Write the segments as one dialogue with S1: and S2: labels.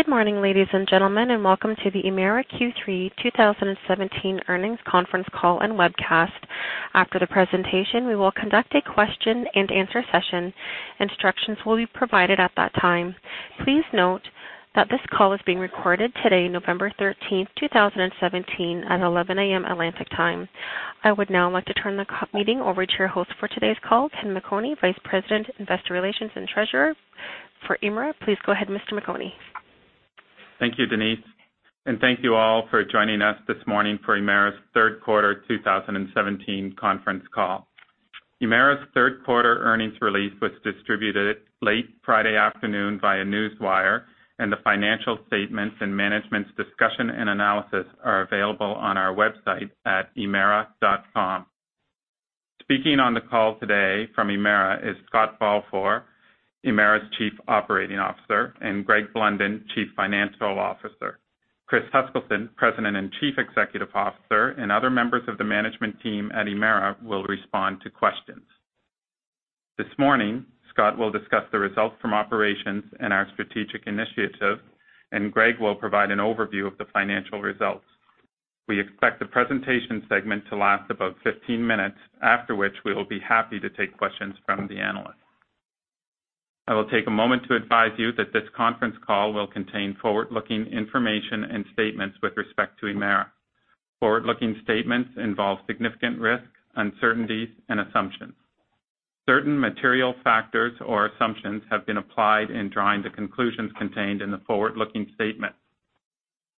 S1: Good morning, ladies and gentlemen, and welcome to the Emera Q3 2017 earnings conference call and webcast. After the presentation, we will conduct a question and answer session. Instructions will be provided at that time. Please note that this call is being recorded today, November 13, 2017, at 11:00 A.M. Atlantic Time. I would now like to turn the meeting over to your host for today's call, Ken McManaman, Vice President, Investor Relations and Treasurer for Emera. Please go ahead, Mr. McManaman.
S2: Thank you, Denise. Thank you all for joining us this morning for Emera's third quarter 2017 conference call. Emera's third-quarter earnings release was distributed late Friday afternoon via Newswire, and the financial statements and management's discussion and analysis are available on our website at emera.com. Speaking on the call today from Emera is Scott Balfour, Emera's Chief Operating Officer, and Greg Blunden, Chief Financial Officer. Chris Huskilson, President and Chief Executive Officer, and other members of the management team at Emera will respond to questions. This morning, Scott will discuss the results from operations and our strategic initiative, and Greg will provide an overview of the financial results. We expect the presentation segment to last about 15 minutes, after which we will be happy to take questions from the analysts. I will take a moment to advise you that this conference call will contain forward-looking information and statements with respect to Emera. Forward-looking statements involve significant risks, uncertainties, and assumptions. Certain material factors or assumptions have been applied in drawing the conclusions contained in the forward-looking statements.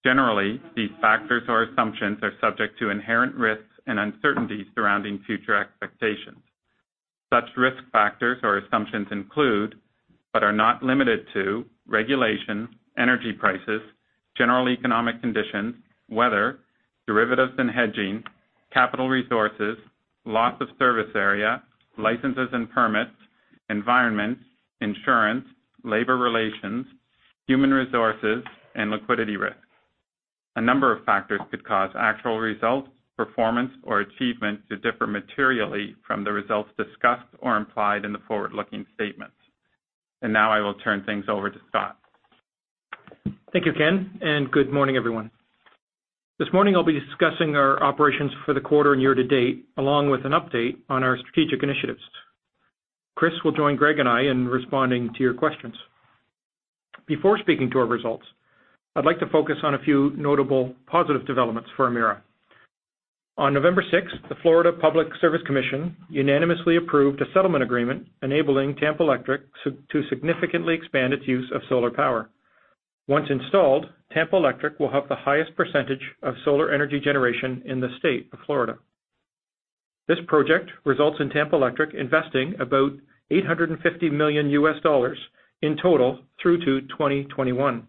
S2: Generally, these factors or assumptions are subject to inherent risks and uncertainties surrounding future expectations. Such risk factors or assumptions include, but are not limited to, regulation, energy prices, general economic conditions, weather, derivatives and hedging, capital resources, loss of service area, licenses and permits, environment, insurance, labor relations, human resources, and liquidity risk. A number of factors could cause actual results, performance, or achievement to differ materially from the results discussed or implied in the forward-looking statements. Now I will turn things over to Scott.
S3: Thank you, Ken. Good morning, everyone. This morning I'll be discussing our operations for the quarter and year to date, along with an update on our strategic initiatives. Chris will join Greg and I in responding to your questions. Before speaking to our results, I'd like to focus on a few notable positive developments for Emera. On November 6, the Florida Public Service Commission unanimously approved a settlement agreement enabling Tampa Electric to significantly expand its use of solar power. Once installed, Tampa Electric will have the highest percentage of solar energy generation in the state of Florida. This project results in Tampa Electric investing about $850 million in total through to 2021.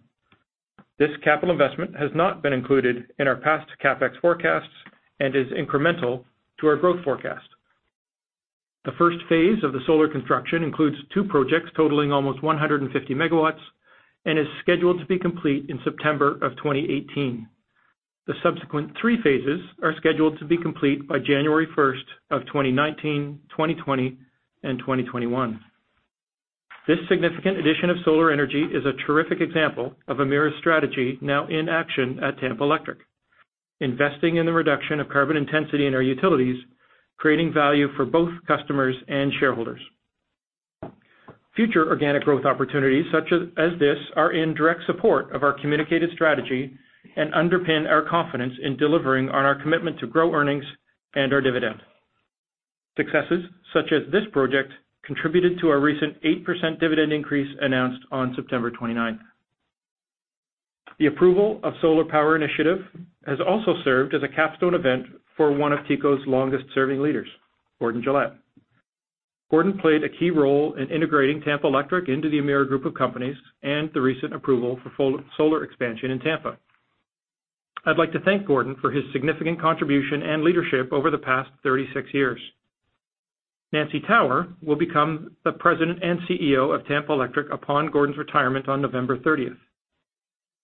S3: This capital investment has not been included in our past CapEx forecasts and is incremental to our growth forecast. The first phase of the solar construction includes two projects totaling almost 150 MW and is scheduled to be complete in September of 2018. The subsequent three phases are scheduled to be complete by January 1st of 2019, 2020, and 2021. This significant addition of solar energy is a terrific example of Emera's strategy now in action at Tampa Electric, investing in the reduction of carbon intensity in our utilities, creating value for both customers and shareholders. Future organic growth opportunities such as this are in direct support of our communicated strategy and underpin our confidence in delivering on our commitment to grow earnings and our dividend. Successes such as this project contributed to our recent 8% dividend increase announced on September 29th. The approval of Solar Power Initiative has also served as a capstone event for one of TECO's longest-serving leaders, Gordon Gillette. Gordon played a key role in integrating Tampa Electric into the Emera group of companies and the recent approval for solar expansion in Tampa. I'd like to thank Gordon for his significant contribution and leadership over the past 36 years. Nancy Tower will become the President and CEO of Tampa Electric upon Gordon's retirement on November 30th.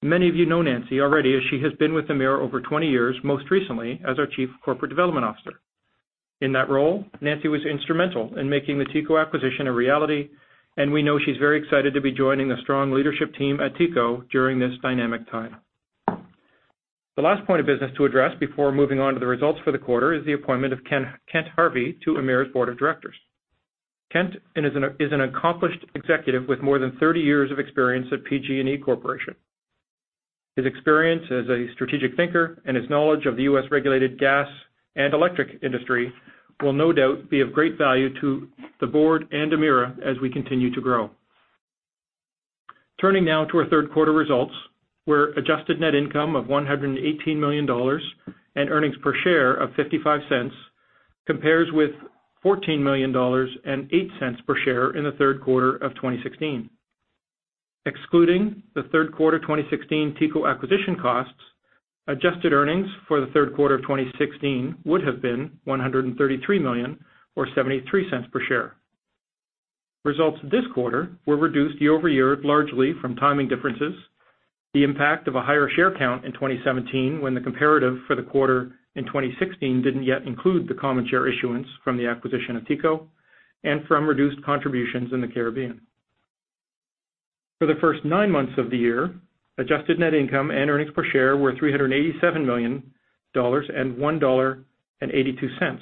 S3: Many of you know Nancy already as she has been with Emera over 20 years, most recently as our Chief Corporate Development Officer. In that role, Nancy was instrumental in making the TECO acquisition a reality, and we know she's very excited to be joining the strong leadership team at TECO during this dynamic time. The last point of business to address before moving on to the results for the quarter is the appointment of Kent Harvey to Emera's board of directors. Kent is an accomplished executive with more than 30 years of experience at PG&E Corporation. His experience as a strategic thinker and his knowledge of the U.S.-regulated gas and electric industry will no doubt be of great value to the board and Emera as we continue to grow. Turning now to our third quarter results, where adjusted net income of 118 million dollars and earnings per share of 0.55 compares with 14 million dollars and 0.08 per share in the third quarter of 2016. Excluding the third-quarter 2016 TECO acquisition costs, adjusted earnings for the third quarter of 2016 would have been 133 million or 0.73 per share. Results this quarter were reduced year-over-year largely from timing differences, the impact of a higher share count in 2017 when the comparative for the quarter in 2016 didn't yet include the common share issuance from the acquisition of TECO. From reduced contributions in the Caribbean. For the first nine months of the year, adjusted net income and earnings per share were 387 million dollars and 1.82 dollar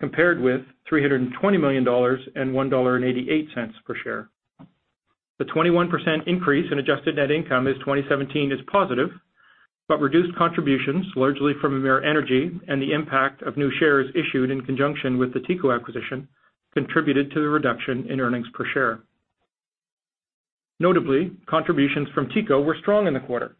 S3: compared with 320 million dollars and 1.88 dollar per share. The 21% increase in adjusted net income in 2017 is positive, reduced contributions, largely from Emera Energy and the impact of new shares issued in conjunction with the TECO acquisition, contributed to the reduction in earnings per share. Notably, contributions from TECO were strong in the quarter,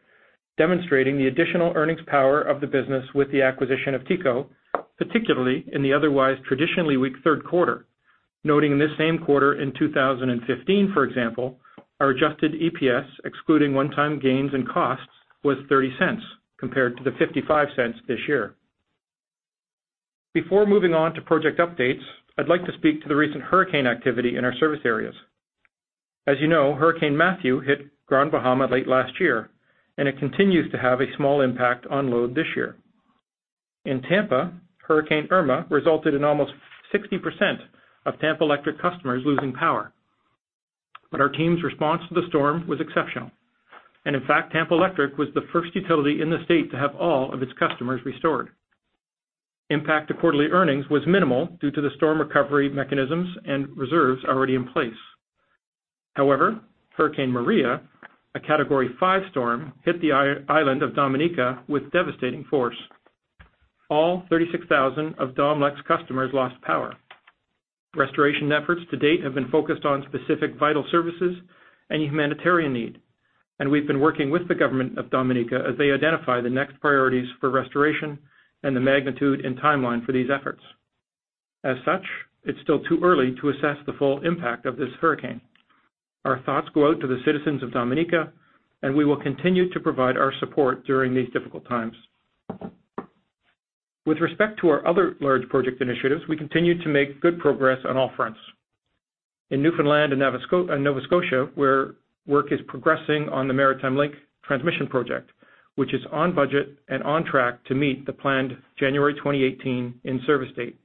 S3: demonstrating the additional earnings power of the business with the acquisition of TECO, particularly in the otherwise traditionally weak third quarter. Noting this same quarter in 2015, for example, our adjusted EPS, excluding one-time gains and costs, was 0.30 compared to the 0.55 this year. Before moving on to project updates, I'd like to speak to the recent hurricane activity in our service areas. As you know, Hurricane Matthew hit Grand Bahama late last year, and it continues to have a small impact on load this year. In Tampa, Hurricane Irma resulted in almost 60% of Tampa Electric customers losing power. Our team's response to the storm was exceptional. In fact, Tampa Electric was the first utility in the state to have all of its customers restored. Impact to quarterly earnings was minimal due to the storm recovery mechanisms and reserves already in place. However, Hurricane Maria, a Category 5 storm, hit the island of Dominica with devastating force. All 36,000 of Domlec's customers lost power. Restoration efforts to date have been focused on specific vital services and humanitarian need. We've been working with the government of Dominica as they identify the next priorities for restoration and the magnitude and timeline for these efforts. As such, it's still too early to assess the full impact of this hurricane. Our thoughts go out to the citizens of Dominica, and we will continue to provide our support during these difficult times. With respect to our other large project initiatives, we continue to make good progress on all fronts. In Newfoundland and Nova Scotia, where work is progressing on the Maritime Link transmission project, which is on budget and on track to meet the planned January 2018 in-service date.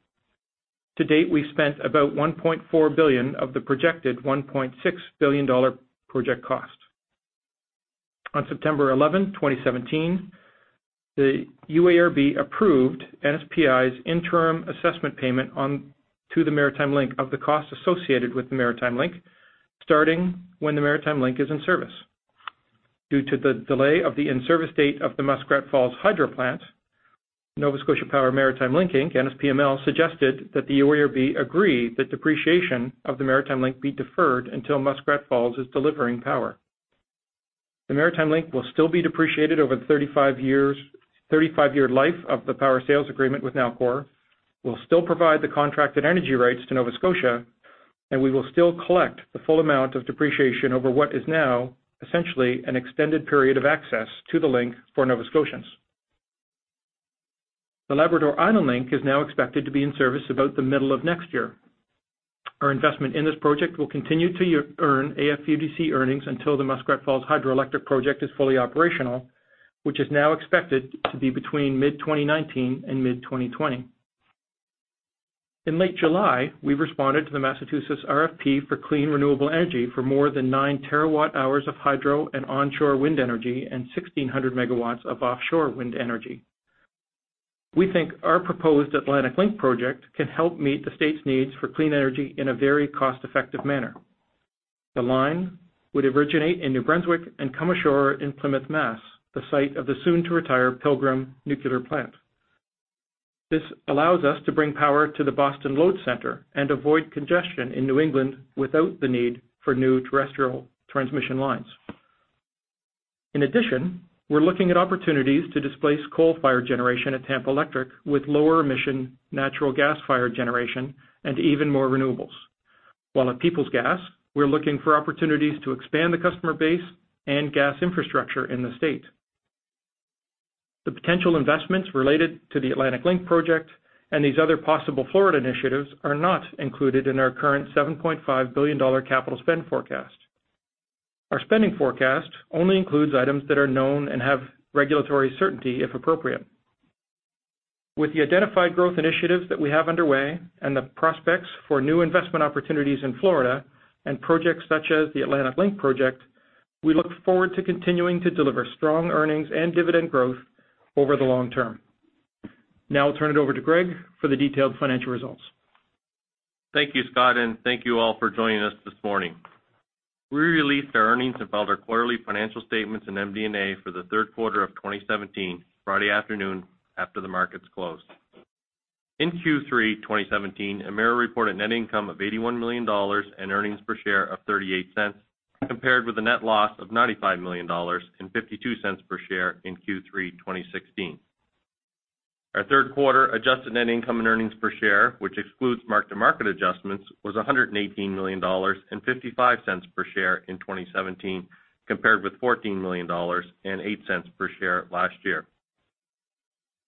S3: To date, we've spent about 1.4 billion of the projected 1.6 billion dollar project cost. On September 11, 2017, the UARB approved NSPI's interim assessment payment to the Maritime Link of the cost associated with the Maritime Link, starting when the Maritime Link is in service. Due to the delay of the in-service date of the Muskrat Falls hydro plant, Nova Scotia Power Maritime Link Inc, NSPML, suggested that the UARB agree that depreciation of the Maritime Link be deferred until Muskrat Falls is delivering power. The Maritime Link will still be depreciated over the 35-year life of the power sales agreement with Nalcor, will still provide the contracted energy rates to Nova Scotia, and we will still collect the full amount of depreciation over what is now essentially an extended period of access to the link for Nova Scotians. The Labrador-Island Link is now expected to be in service about the middle of next year. Our investment in this project will continue to earn AFUDC earnings until the Muskrat Falls hydroelectric project is fully operational, which is now expected to be between mid-2019 and mid-2020. In late July, we responded to the Massachusetts RFP for clean, renewable energy for more than nine terawatt-hours of hydro and onshore wind energy and 1,600 megawatts of offshore wind energy. We think our proposed Atlantic Link project can help meet the state's needs for clean energy in a very cost-effective manner. The line would originate in New Brunswick and come ashore in Plymouth, Mass., the site of the soon-to-retire Pilgrim nuclear plant. This allows us to bring power to the Boston Load Center and avoid congestion in New England without the need for new terrestrial transmission lines. In addition, we're looking at opportunities to displace coal-fired generation at Tampa Electric with lower-emission natural gas-fired generation and even more renewables. While at Peoples Gas, we're looking for opportunities to expand the customer base and gas infrastructure in the state. The potential investments related to the Atlantic Link project and these other possible Florida initiatives are not included in our current 7.5 billion dollar capital spend forecast. Our spending forecast only includes items that are known and have regulatory certainty, if appropriate. With the identified growth initiatives that we have underway and the prospects for new investment opportunities in Florida and projects such as the Atlantic Link project, we look forward to continuing to deliver strong earnings and dividend growth over the long term. I'll turn it over to Greg for the detailed financial results.
S4: Thank you, Scott, and thank you all for joining us this morning. We released our earnings about our quarterly financial statements and MD&A for the third quarter of 2017 Friday afternoon after the markets closed. In Q3 2017, Emera reported net income of 81 million dollars and earnings per share of 0.38 compared with a net loss of 95 million dollars and 0.52 per share in Q3 2016. Our third-quarter adjusted net income and earnings per share, which excludes mark-to-market adjustments, was 118 million dollars and 0.55 per share in 2017, compared with 14 million dollars and 0.08 per share last year.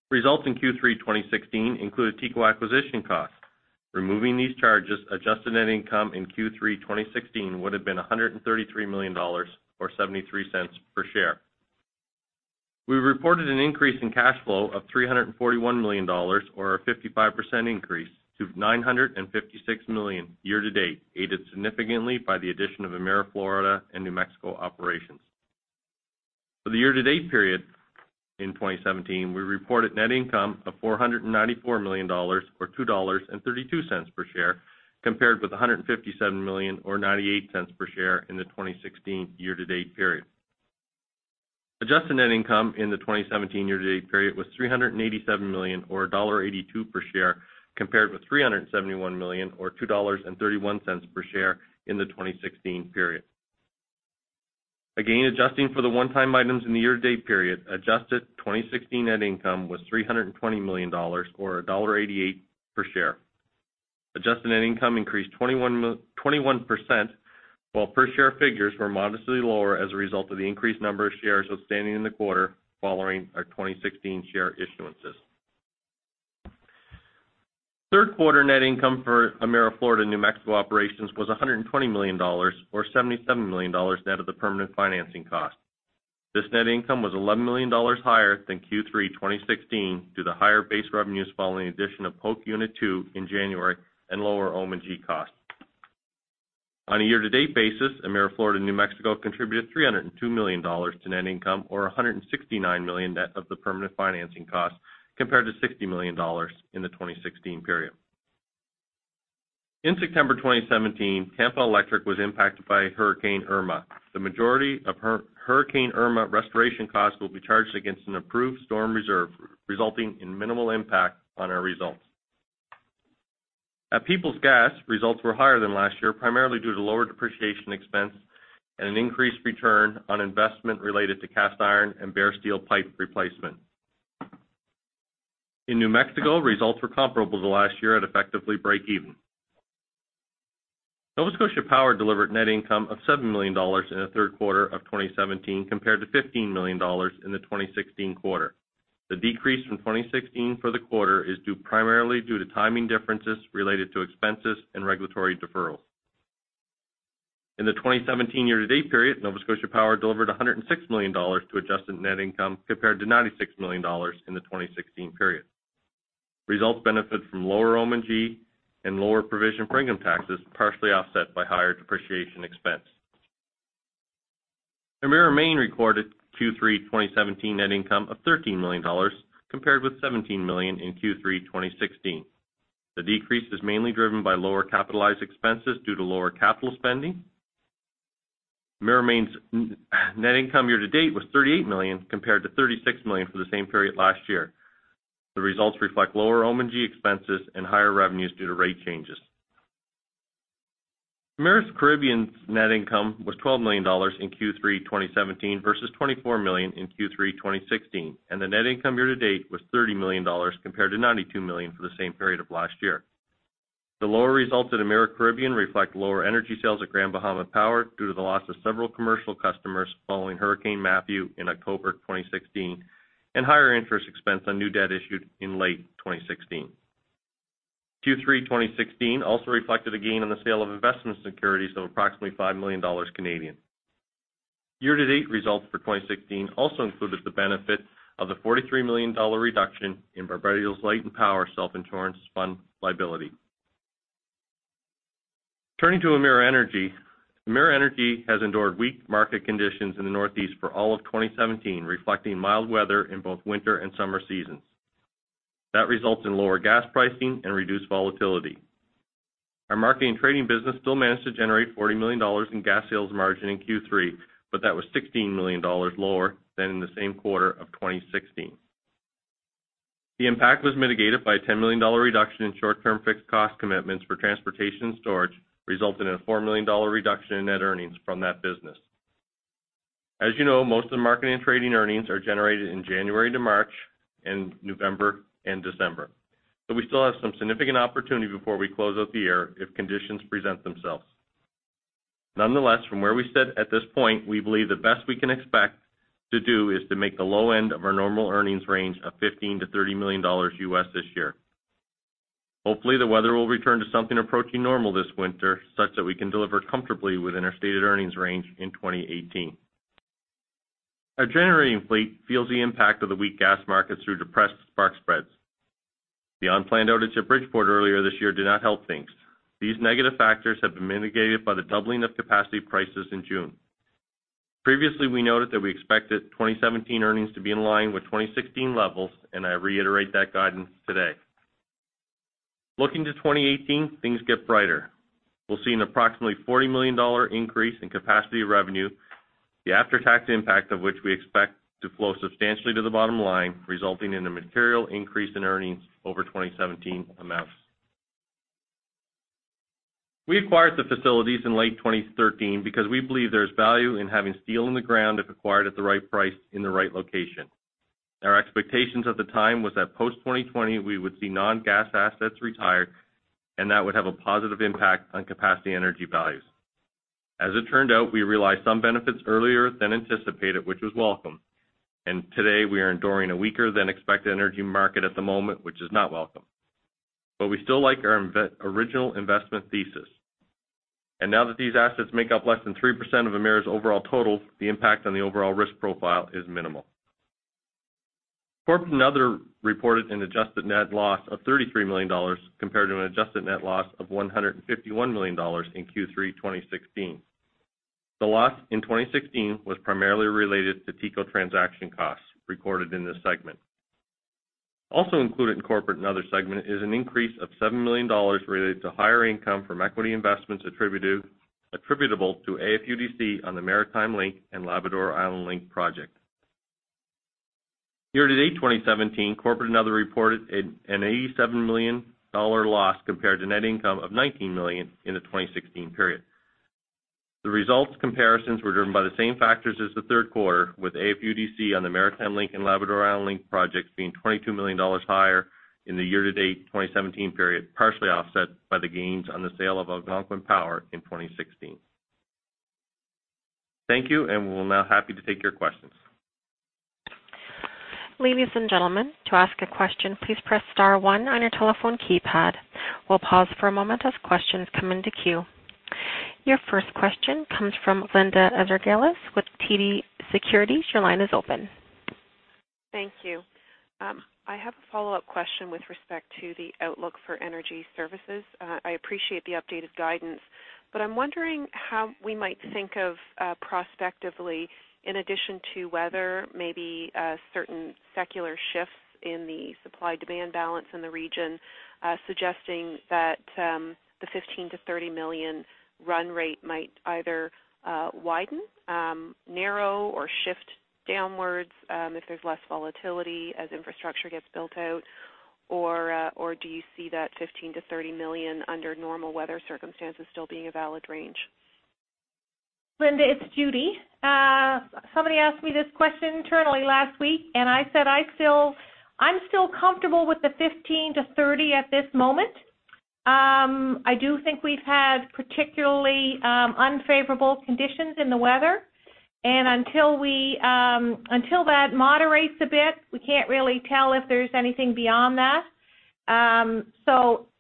S4: Results in Q3 2016 included TECO acquisition costs. Removing these charges, adjusted net income in Q3 2016 would have been 133 million dollars, or 0.73 per share. We reported an increase in cash flow of 341 million dollars, or a 55% increase to 956 million year-to-date, aided significantly by the addition of Emera Florida and New Mexico operations. For the year-to-date period in 2017, we reported net income of 494 million dollars or 2.32 dollars per share, compared with 157 million or 0.98 per share in the 2016 year-to-date period. Adjusted net income in the 2017 year-to-date period was 387 million or dollar 1.82 per share, compared with 371 million or 2.31 dollars per share in the 2016 period. Adjusting for the one-time items in the year-to-date period, adjusted 2016 net income was 320 million dollars or dollar 1.88 per share. Adjusted net income increased 21%, while per share figures were modestly lower as a result of the increased number of shares outstanding in the quarter following our 2016 share issuances. Third quarter net income for Emera Florida and New Mexico operations was 120 million dollars, or 77 million dollars net of the permanent financing cost. This net income was 11 million dollars higher than Q3 2016 due to higher base revenues following the addition of Polk Unit 2 in January and lower OM&G costs. On a year-to-date basis, Emera Florida and New Mexico contributed 302 million dollars to net income or 169 million net of the permanent financing cost, compared to 60 million dollars in the 2016 period. In September 2017, Tampa Electric was impacted by Hurricane Irma. The majority of Hurricane Irma restoration costs will be charged against an approved storm reserve, resulting in minimal impact on our results. At Peoples Gas, results were higher than last year, primarily due to lower depreciation expense and an increased return on investment related to cast iron and bare steel pipe replacement. In New Mexico, results were comparable to last year at effectively breakeven. Nova Scotia Power delivered net income of 7 million dollars in the third quarter of 2017 compared to 15 million dollars in the 2016 quarter. The decrease from 2016 for the quarter is primarily due to timing differences related to expenses and regulatory deferrals. In the 2017 year-to-date period, Nova Scotia Power delivered 106 million dollars to adjusted net income, compared to 96 million dollars in the 2016 period. Results benefit from lower OM&G and lower provision for income taxes, partially offset by higher depreciation expense. Emera Maine recorded Q3 2017 net income of 13 million dollars, compared with 17 million in Q3 2016. The decrease is mainly driven by lower capitalized expenses due to lower capital spending. Emera Maine's net income year-to-date was 38 million, compared to 36 million for the same period last year. The results reflect lower OM&G expenses and higher revenues due to rate changes. Emera Caribbean's net income was 12 million dollars in Q3 2017 versus 24 million in Q3 2016, and the net income year-to-date was 30 million dollars compared to 92 million for the same period of last year. The lower results at Emera Caribbean reflect lower energy sales at Grand Bahama Power due to the loss of several commercial customers following Hurricane Matthew in October 2016, and higher interest expense on new debt issued in late 2016. Q3 2016 also reflected a gain on the sale of investment securities of approximately 5 million Canadian dollars. Year-to-date results for 2016 also included the benefit of the 43 million dollar reduction in Barbados Light & Power Self-Insurance Fund liability. Turning to Emera Energy, Emera Energy has endured weak market conditions in the Northeast for all of 2017, reflecting mild weather in both winter and summer seasons. That results in lower gas pricing and reduced volatility. Our marketing and trading business still managed to generate 40 million dollars in gas sales margin in Q3, that was 16 million dollars lower than in the same quarter of 2016. The impact was mitigated by a 10 million dollar reduction in short-term fixed cost commitments for transportation storage, resulting in a 4 million dollar reduction in net earnings from that business. As you know, most of the marketing and trading earnings are generated in January to March and November and December. We still have some significant opportunity before we close out the year if conditions present themselves. Nonetheless, from where we sit at this point, we believe the best we can expect to do is to make the low end of our normal earnings range of $15 million to $30 million U.S. this year. Hopefully, the weather will return to something approaching normal this winter, such that we can deliver comfortably within our stated earnings range in 2018. Our generating fleet feels the impact of the weak gas markets through depressed spark spreads. The unplanned outage at Bridgeport earlier this year did not help things. These negative factors have been mitigated by the doubling of capacity prices in June. Previously, we noted that we expected 2017 earnings to be in line with 2016 levels, I reiterate that guidance today. Looking to 2018, things get brighter. We'll see an approximately 40 million dollar increase in capacity revenue, the after-tax impact of which we expect to flow substantially to the bottom line, resulting in a material increase in earnings over 2017 amounts. We acquired the facilities in late 2013 because we believe there is value in having steel in the ground if acquired at the right price in the right location. Our expectations at the time was that post-2020, we would see non-gas assets retire, that would have a positive impact on capacity energy values. As it turned out, we realized some benefits earlier than anticipated, which was welcome, today we are enduring a weaker-than-expected energy market at the moment, which is not welcome. We still like our original investment thesis. Now that these assets make up less than 3% of Emera's overall total, the impact on the overall risk profile is minimal. Corporate and other reported an adjusted net loss of 33 million dollars compared to an adjusted net loss of 151 million dollars in Q3 2016. The loss in 2016 was primarily related to TECO transaction costs recorded in this segment. Also included in corporate and other segment is an increase of 7 million dollars related to higher income from equity investments attributable to AFUDC on the Maritime Link and Labrador-Island Link project. Year-to-date 2017, corporate and other reported an 87 million dollar loss compared to net income of 19 million in the 2016 period.
S3: The results comparisons were driven by the same factors as the third quarter, with AFUDC on the Maritime Link and Labrador-Island Link projects being 22 million dollars higher in the year-to-date 2017 period, partially offset by the gains on the sale of Algonquin Power in 2016. Thank you, we're now happy to take your questions.
S1: Ladies and gentlemen, to ask a question, please press star one on your telephone keypad. We'll pause for a moment as questions come into queue. Your first question comes from Linda Ezergailis with TD Securities. Your line is open.
S5: Thank you. I have a follow-up question with respect to the outlook for energy services. I appreciate the updated guidance, I'm wondering how we might think of, prospectively, in addition to weather, maybe certain secular shifts in the supply-demand balance in the region suggesting that the 15 million-30 million run rate might either widen, narrow, or shift downwards if there's less volatility as infrastructure gets built out. Do you see that 15 million-30 million under normal weather circumstances still being a valid range?
S6: Linda, it's Judy. Somebody asked me this question internally last week, I said I'm still comfortable with the 15 million-30 million at this moment. I do think we've had particularly unfavorable conditions in the weather, until that moderates a bit, we can't really tell if there's anything beyond that.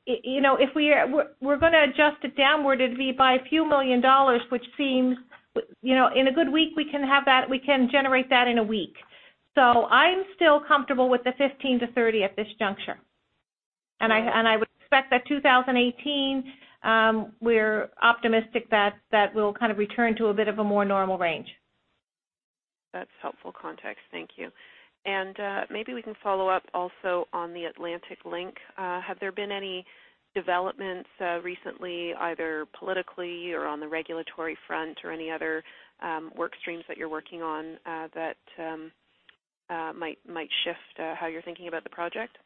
S6: If we're going to adjust it downward, it'd be by a few million dollars, which seems in a good week, we can generate that in a week. I'm still comfortable with the 15 million-30 million at this juncture. I would expect that 2018, we're optimistic that that will kind of return to a bit of a more normal range.
S5: That's helpful context. Thank you. Maybe we can follow up also on the Atlantic Link. Have there been any developments recently, either politically or on the regulatory front or any other work streams that you're working on that might shift how you're thinking about the project?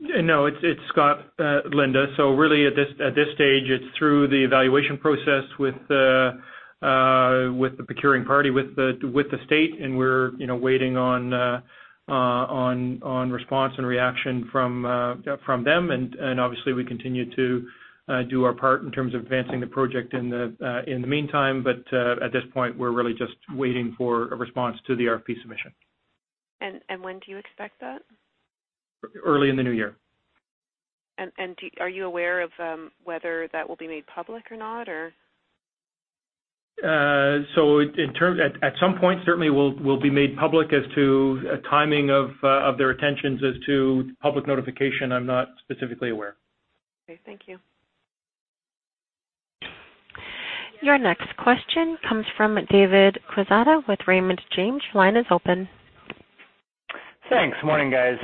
S3: No, it's Scott, Linda. Really at this stage, it's through the evaluation process with the procuring party, with the State, we're waiting on response and reaction from them. Obviously, we continue to do our part in terms of advancing the project in the meantime. At this point, we're really just waiting for a response to the RFP submission.
S5: When do you expect that?
S3: Early in the new year.
S5: Are you aware of whether that will be made public or not?
S3: At some point, certainly will be made public. As to a timing of their intentions as to public notification, I'm not specifically aware.
S5: Okay. Thank you.
S1: Your next question comes from David Quezada with Raymond James. Your line is open.
S7: Thanks. Morning, guys.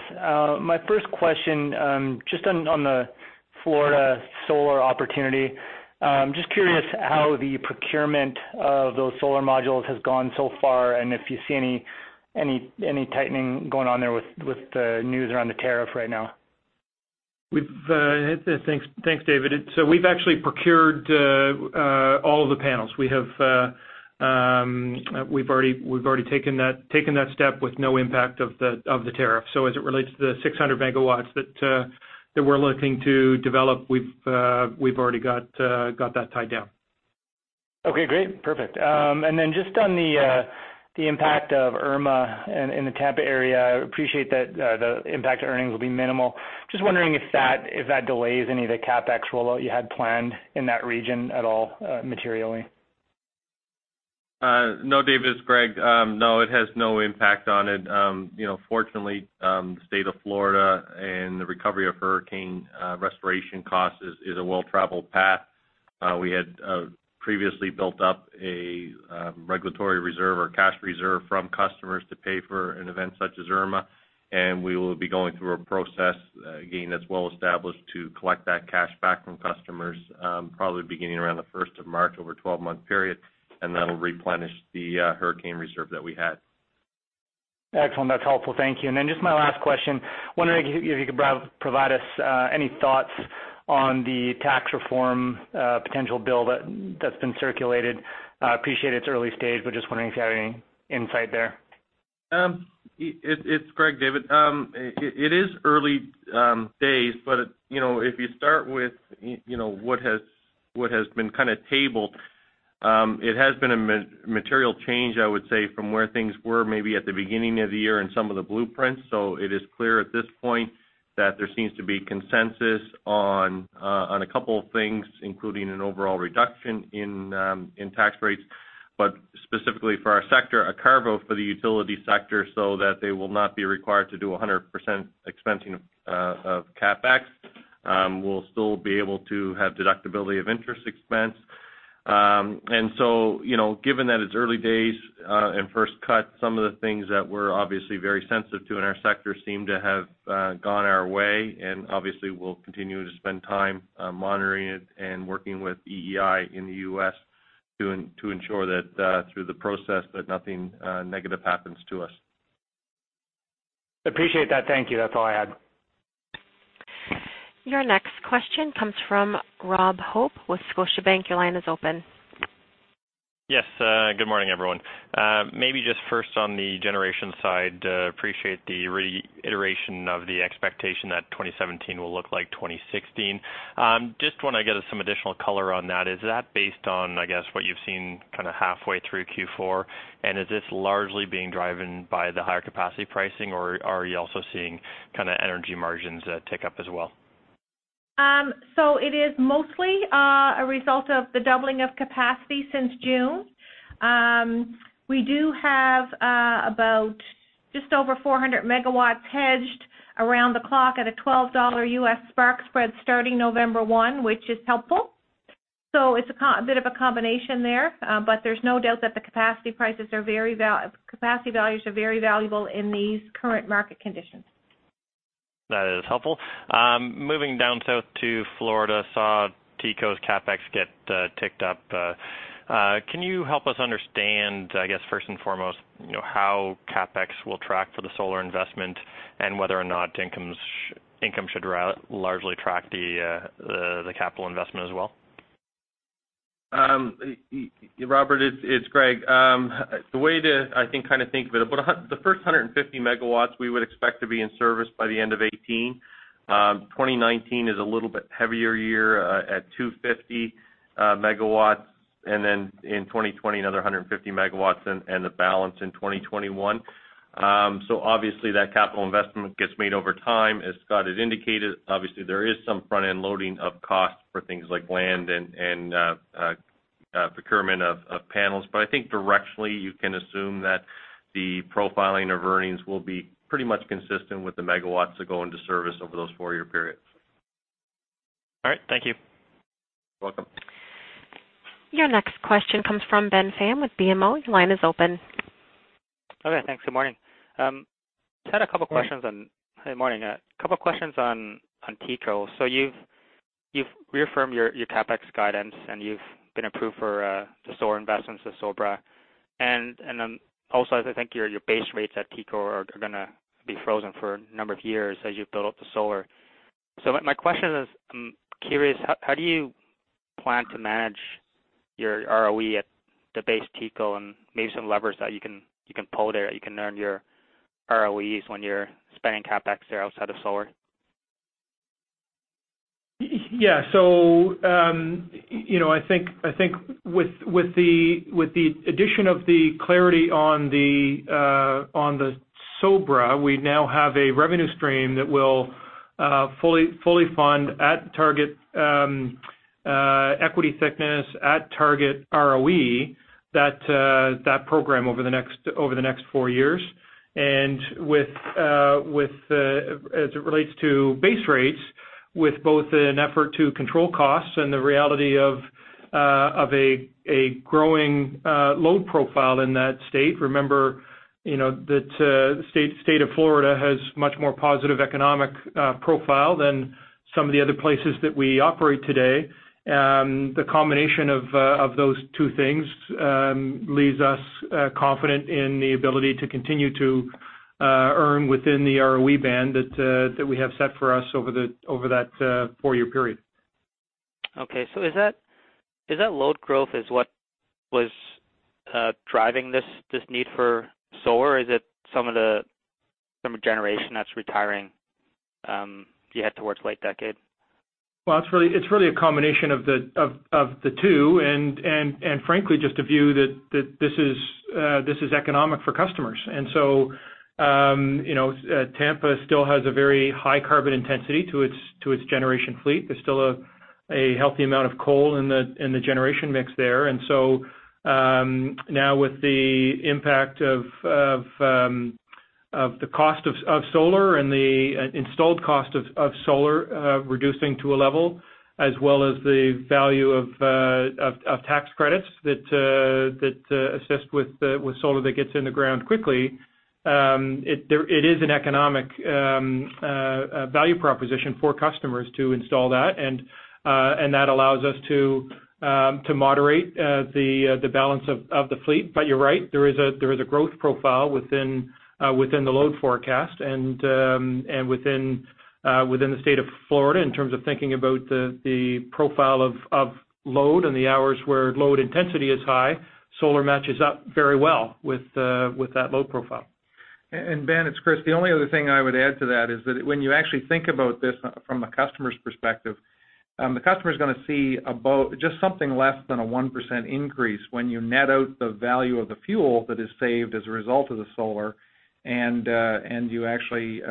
S7: My first question, just on the Florida solar opportunity. Just curious how the procurement of those solar modules has gone so far, and if you see any tightening going on there with the news around the tariff right now.
S3: Thanks, David. We've actually procured all of the panels. We've already taken that step with no impact of the tariff. As it relates to the 600 megawatts that we're looking to develop, we've already got that tied down.
S7: Okay, great. Perfect. Then just on the impact of Irma in the Tampa area, I appreciate that the impact to earnings will be minimal. Just wondering if that delays any of the CapEx rollout you had planned in that region at all, materially.
S4: No, David, it's Greg. No, it has no impact on it. Fortunately, the State of Florida and the recovery of hurricane restoration cost is a well-traveled path. We had previously built up a regulatory reserve or cash reserve from customers to pay for an event such as Irma. We will be going through a process, again, that's well-established, to collect that cash back from customers, probably beginning around the 1st of March over a 12-month period. That'll replenish the hurricane reserve that we had.
S7: Excellent. That's helpful. Thank you. Then just my last question. Wondering if you could provide us any thoughts on the tax reform potential bill that's been circulated. I appreciate it's early stage, but just wondering if you have any insight there.
S4: It's Greg, David. It is early days. If you start with what has been kind of tabled It has been a material change, I would say, from where things were maybe at the beginning of the year in some of the blueprints. It is clear at this point that there seems to be consensus on a couple of things, including an overall reduction in tax rates, but specifically for our sector, a carve-out for the utility sector so that they will not be required to do 100% expensing of CapEx. We'll still be able to have deductibility of interest expense. Given that it's early days in first cut, some of the things that we're obviously very sensitive to in our sector seem to have gone our way. Obviously, we'll continue to spend time monitoring it and working with EEI in the U.S. to ensure that through the process that nothing negative happens to us.
S7: Appreciate that. Thank you. That's all I had.
S1: Your next question comes from Rob Hope with Scotiabank. Your line is open.
S8: Yes. Good morning, everyone. Maybe just first on the generation side. Appreciate the reiteration of the expectation that 2017 will look like 2016. Just want to get some additional color on that. Is that based on, I guess, what you've seen kind of halfway through Q4? Is this largely being driven by the higher capacity pricing, or are you also seeing kind of energy margins tick up as well?
S6: It is mostly a result of the doubling of capacity since June. We do have about just over 400 MW hedged around the clock at a $12 spark spread starting November 1, which is helpful. It's a bit of a combination there. There's no doubt that the capacity values are very valuable in these current market conditions.
S8: That is helpful. Moving down south to Florida, saw TECO's CapEx get ticked up. Can you help us understand, I guess, first and foremost, how CapEx will track for the solar investment and whether or not income should largely track the capital investment as well?
S4: Robert, it's Greg. The way to think of it, the first 150 MW we would expect to be in service by the end of 2018. 2019 is a little bit heavier year at 250 MW, and then in 2020, another 150 MW, and the balance in 2021. Obviously that capital investment gets made over time. As Scott has indicated, obviously there is some front-end loading of costs for things like land and procurement of panels. I think directionally, you can assume that the profiling of earnings will be pretty much consistent with the megawatts that go into service over those four-year periods.
S8: All right. Thank you.
S4: You're welcome.
S1: Your next question comes from Ben Pham with BMO. Your line is open.
S9: Okay, thanks. Good morning.
S4: Good morning.
S9: Just had a couple of questions on TECO. You've reaffirmed your CapEx guidance, you've been approved for the solar investments with SoBRA. Also, I think your base rates at TECO are going to be frozen for a number of years as you build up the solar. My question is, I'm curious, how do you plan to manage your ROE at the base TECO and maybe some levers that you can pull there that you can earn your ROEs when you're spending CapEx there outside of solar?
S3: I think with the addition of the clarity on the SoBRA, we now have a revenue stream that will fully fund at target equity thickness, at target ROE, that program over the next four years. As it relates to base rates, with both an effort to control costs and the reality of a growing load profile in that state. Remember, the State of Florida has much more positive economic profile than some of the other places that we operate today. The combination of those two things leaves us confident in the ability to continue to earn within the ROE band that we have set for us over that four-year period.
S9: Is that load growth is what was driving this need for solar, or is it some of the generation that's retiring you had towards late decade?
S3: It's really a combination of the two. Frankly, just a view that this is economic for customers. Tampa still has a very high carbon intensity to its generation fleet. There's still a healthy amount of coal in the generation mix there. Now with the impact of the cost of solar and the installed cost of solar reducing to a level, as well as the value of tax credits that assist with solar that gets in the ground quickly, it is an economic value proposition for customers to install that. That allows us to moderate the balance of the fleet. You're right, there is a growth profile within the load forecast and within the State of Florida in terms of thinking about the profile of load and the hours where load intensity is high. Solar matches up very well with that load profile.
S10: Ben, it's Chris. The only other thing I would add to that is that when you actually think about this from a customer's perspective, the customer's going to see just something less than a 1% increase when you net out the value of the fuel that is saved as a result of the solar, and you actually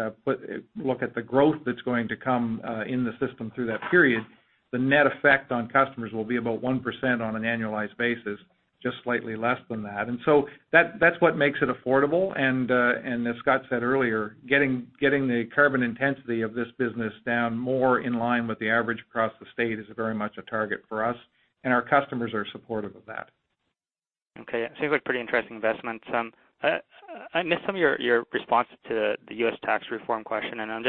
S10: look at the growth that's going to come in the system through that period. The net effect on customers will be about 1% on an annualized basis, just slightly less than that. That's what makes it affordable, and as Scott said earlier, getting the carbon intensity of this business down more in line with the average across the state is very much a target for us, and our customers are supportive of that.
S9: Okay. It seems like pretty interesting investments. I missed some of your response to the U.S. tax reform question, and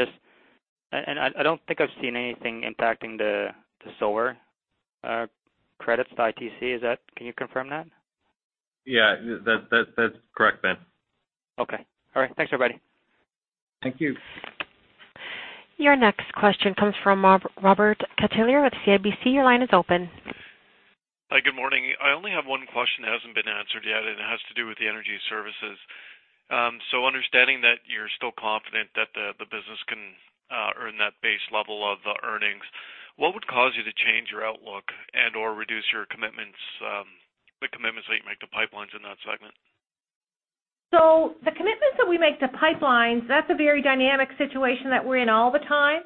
S9: I don't think I've seen anything impacting the solar credits, the ITC. Can you confirm that?
S4: Yeah. That's correct, Ben.
S9: Okay. All right. Thanks, everybody.
S10: Thank you.
S1: Your next question comes from Robert Catellier with CIBC. Your line is open.
S11: Hi, good morning. I only have one question that hasn't been answered yet, and it has to do with the energy services. Understanding that you're still confident that the business can earn that base level of earnings, what would cause you to change your outlook and/or reduce the commitments that you make to pipelines in that segment?
S6: The commitments that we make to pipelines, that's a very dynamic situation that we're in all the time.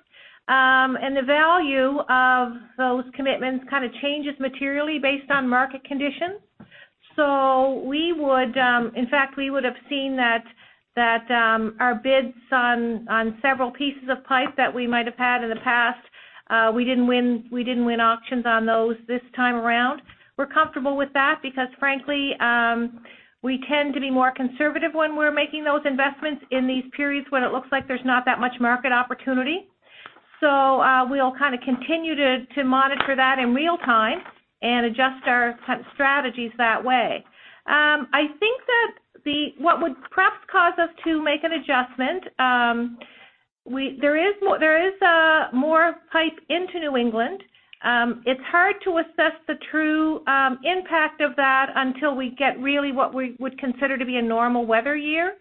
S6: The value of those commitments kind of changes materially based on market conditions. In fact, we would've seen that our bids on several pieces of pipe that we might have had in the past, we didn't win auctions on those this time around. We're comfortable with that because frankly, we tend to be more conservative when we're making those investments in these periods when it looks like there's not that much market opportunity. We'll kind of continue to monitor that in real time and adjust our strategies that way. I think that what would perhaps cause us to make an adjustment, there is more pipe into New England. It's hard to assess the true impact of that until we get really what we would consider to be a normal weather year.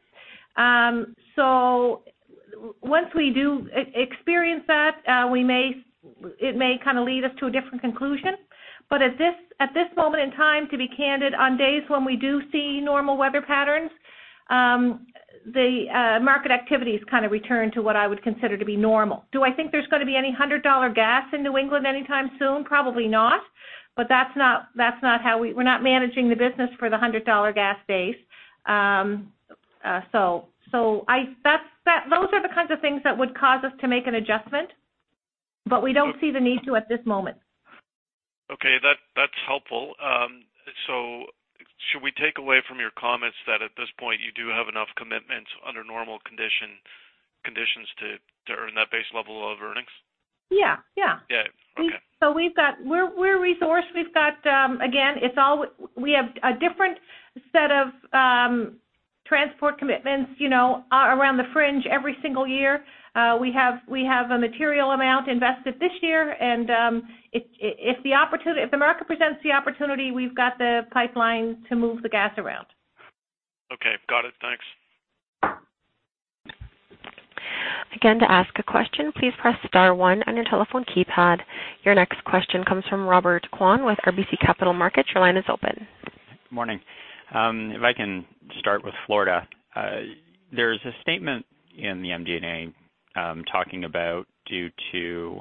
S6: Once we do experience that, it may kind of lead us to a different conclusion. At this moment in time, to be candid, on days when we do see normal weather patterns, the market activity is kind of returned to what I would consider to be normal. Do I think there's going to be any 100-dollar gas in New England anytime soon? Probably not, but we're not managing the business for the 100-dollar gas base. Those are the kinds of things that would cause us to make an adjustment, but we don't see the need to at this moment.
S11: Okay. That's helpful. Should we take away from your comments that at this point you do have enough commitments under normal conditions to earn that base level of earnings?
S6: Yeah.
S11: Yeah. Okay.
S6: We're resourced. Again, we have a different set of transport commitments around the fringe every single year. We have a material amount invested this year, and if the market presents the opportunity, we've got the pipeline to move the gas around.
S11: Okay, got it. Thanks.
S1: Again, to ask a question, please press *1 on your telephone keypad. Your next question comes from Robert Kwan with RBC Capital Markets. Your line is open.
S12: Morning. If I can start with Florida, there's a statement in the MD&A, talking about due to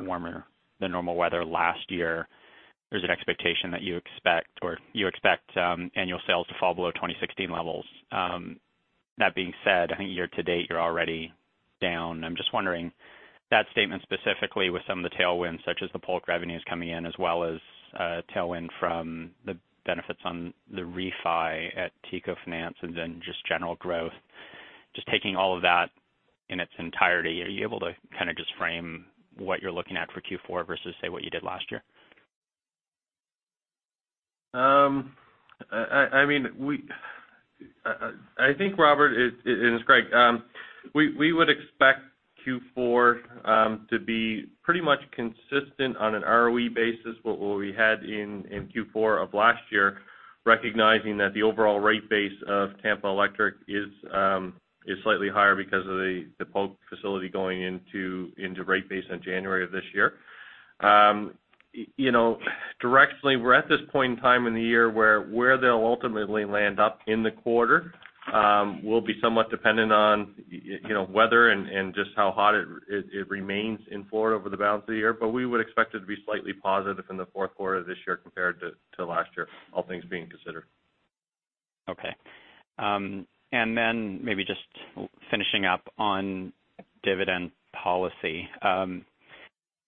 S12: warmer than normal weather last year, there's an expectation that you expect annual sales to fall below 2016 levels. That being said, I think year to date, you're already down. I'm just wondering that statement specifically with some of the tailwinds, such as the Polk revenues coming in, as well as tailwind from the benefits on the refi at TECO Finance and then just general growth. Just taking all of that in its entirety, are you able to kind of just frame what you're looking at for Q4 versus, say, what you did last year?
S4: I think Robert, and this is Greg. We would expect Q4 to be pretty much consistent on an ROE basis what we had in Q4 of last year, recognizing that the overall rate base of Tampa Electric is slightly higher because of the Polk facility going into rate base in January of this year. Directionally, we're at this point in time in the year where they'll ultimately land up in the quarter will be somewhat dependent on weather and just how hot it remains in Florida over the balance of the year. We would expect it to be slightly positive in the fourth quarter of this year compared to last year, all things being considered.
S12: Okay. Then maybe just finishing up on dividend policy.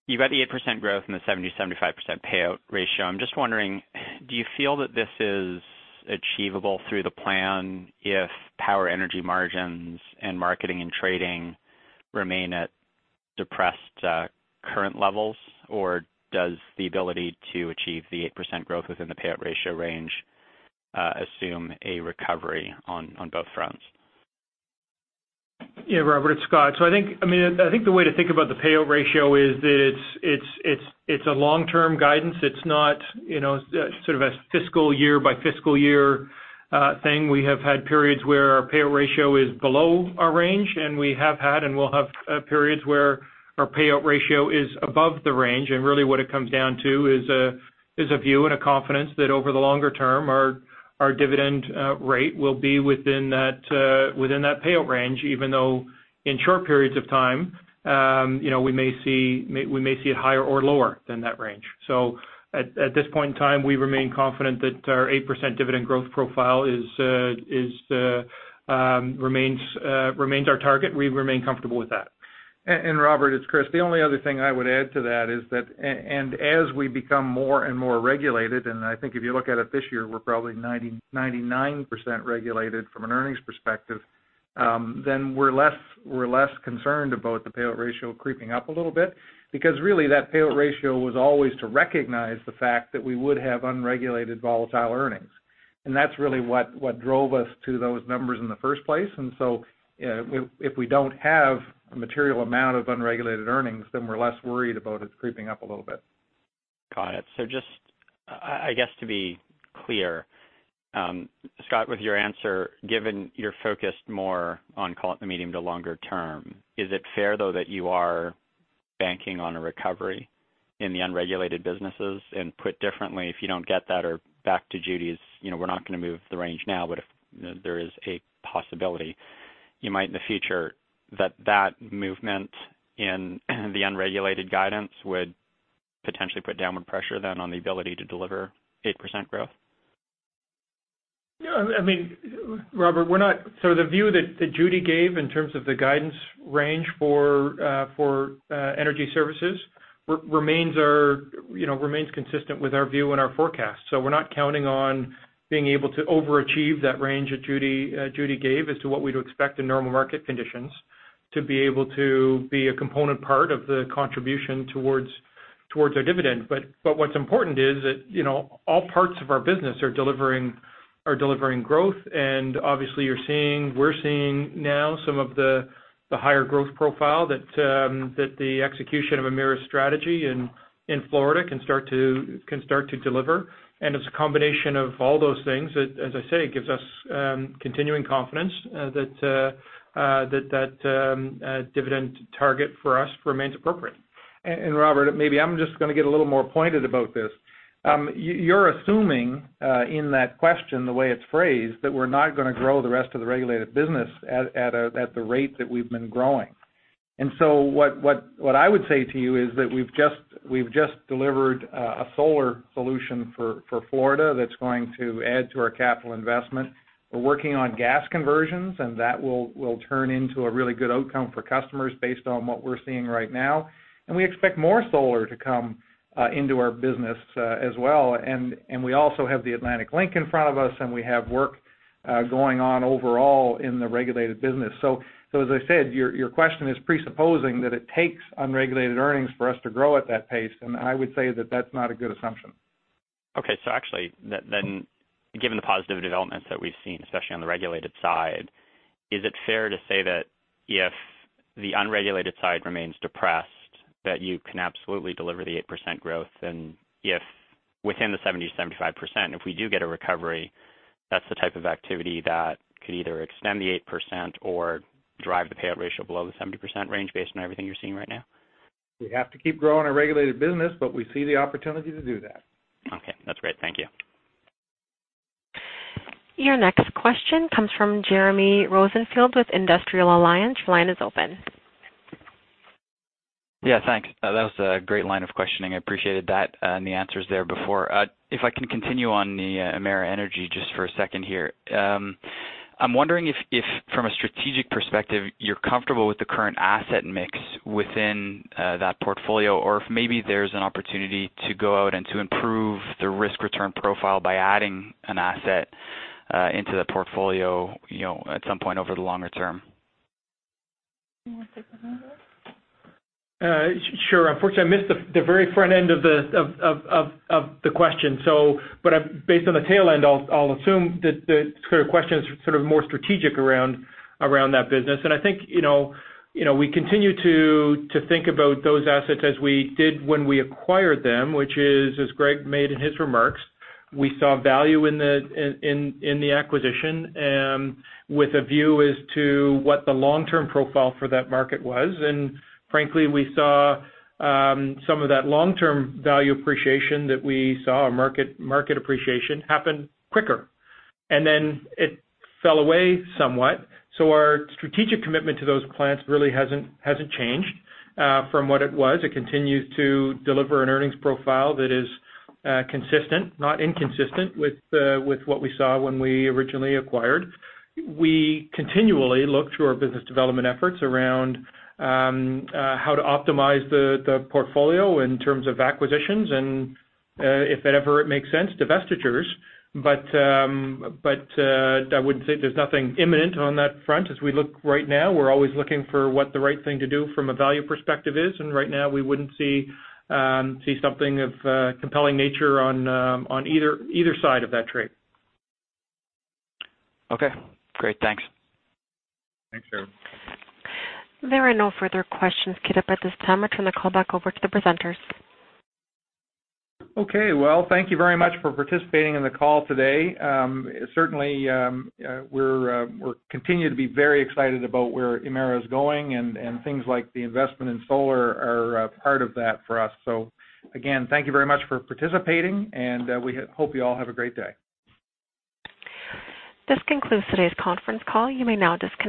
S12: You've got the 8% growth and the 70%-75% payout ratio. I'm just wondering, do you feel that this is achievable through the plan if power energy margins and marketing and trading remain at depressed current levels? Or does the ability to achieve the 8% growth within the payout ratio range assume a recovery on both fronts?
S3: Yeah, Robert, it's Scott. I think the way to think about the payout ratio is that it's a long-term guidance. It's not a fiscal year-by-fiscal-year thing. We have had periods where our payout ratio is below our range, and we have had and will have periods where our payout ratio is above the range. Really what it comes down to is a view and a confidence that over the longer term, our dividend rate will be within that payout range, even though in short periods of time we may see it higher or lower than that range. At this point in time, we remain confident that our 8% dividend growth profile remains our target, and we remain comfortable with that.
S10: Robert, it's Chris. The only other thing I would add to that is that, as we become more and more regulated, I think if you look at it this year, we're probably 99% regulated from an earnings perspective, then we're less concerned about the payout ratio creeping up a little bit because really that payout ratio was always to recognize the fact that we would have unregulated volatile earnings. That's really what drove us to those numbers in the first place. If we don't have a material amount of unregulated earnings, then we're less worried about it creeping up a little bit.
S12: Got it. Just, I guess to be clear, Scott, with your answer, given you're focused more on call it the medium to longer term, is it fair though that you are banking on a recovery in the unregulated businesses? Put differently, if you don't get that or back to Judy's, we're not going to move the range now, but if there is a possibility you might in the future, that that movement in the unregulated guidance would potentially put downward pressure then on the ability to deliver 8% growth?
S3: Yeah. Robert, the view that Judy gave in terms of the guidance range for energy services remains consistent with our view and our forecast. We're not counting on being able to overachieve that range that Judy gave as to what we'd expect in normal market conditions to be able to be a component part of the contribution towards our dividend. What's important is that all parts of our business are delivering growth, and obviously we're seeing now some of the higher growth profile that the execution of Emera's strategy in Florida can start to deliver. It's a combination of all those things that, as I say, gives us continuing confidence that that dividend target for us remains appropriate.
S10: Robert, maybe I'm just going to get a little more pointed about this. You're assuming, in that question, the way it's phrased, that we're not going to grow the rest of the regulated business at the rate that we've been growing. What I would say to you is that we've just delivered a solar solution for Florida that's going to add to our capital investment. We're working on gas conversions, and that will turn into a really good outcome for customers based on what we're seeing right now. We expect more solar to come into our business as well. We also have the Atlantic Link in front of us, and we have work going on overall in the regulated business. As I said, your question is presupposing that it takes unregulated earnings for us to grow at that pace, I would say that that's not a good assumption.
S12: Given the positive developments that we've seen, especially on the regulated side, is it fair to say that if the unregulated side remains depressed, that you can absolutely deliver the 8% growth? If within the 70%-75%, if we do get a recovery, that's the type of activity that could either extend the 8% or drive the payout ratio below the 70% range based on everything you're seeing right now?
S10: We have to keep growing our regulated business, but we see the opportunity to do that.
S12: Okay, that's great. Thank you.
S1: Your next question comes from Jeremy Rosenfield with Industrial Alliance. Your line is open.
S13: Yeah, thanks. That was a great line of questioning. I appreciated that and the answers there before. If I can continue on the Emera Energy just for a second here. I'm wondering if from a strategic perspective, you're comfortable with the current asset mix within that portfolio, or if maybe there's an opportunity to go out and to improve the risk-return profile by adding an asset into the portfolio at some point over the longer term.
S3: Sure. Unfortunately, I missed the very front end of the question. Based on the tail end, I'll assume that the question is sort of more strategic around that business. I think, we continue to think about those assets as we did when we acquired them, which is, as Greg made in his remarks, we saw value in the acquisition, with a view as to what the long-term profile for that market was. Frankly, we saw some of that long-term value appreciation that we saw, our market appreciation happen quicker, and then it fell away somewhat. Our strategic commitment to those plants really hasn't changed from what it was. It continues to deliver an earnings profile that is consistent, not inconsistent with what we saw when we originally acquired. We continually look to our business development efforts around how to optimize the portfolio in terms of acquisitions and if ever it makes sense, divestitures. I would say there's nothing imminent on that front as we look right now. We're always looking for what the right thing to do from a value perspective is. Right now, we wouldn't see something of compelling nature on either side of that trade.
S13: Okay, great. Thanks.
S10: Thanks, Jeremy.
S1: There are no further questions queued up at this time. I turn the call back over to the presenters.
S10: Okay, well, thank you very much for participating in the call today. Certainly, we continue to be very excited about where Emera is going and things like the investment in solar are part of that for us. Again, thank you very much for participating, and we hope you all have a great day.
S1: This concludes today's conference call. You may now disconnect.